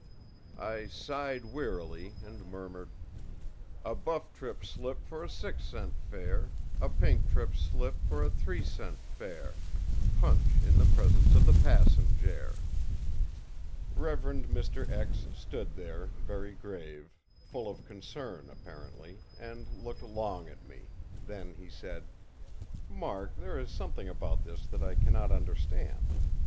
î I sighed wearily; and murmured: ìA buff trip slip for a six cent fare, a pink trip slip for a three cent fare, punch in the presence of the passenjare.î Rev. Mr. stood there, very grave, full of concern, apparently, and looked long at me; then he said: ìMark, there is something about this that I cannot understand.